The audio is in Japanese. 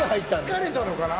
疲れたのかな？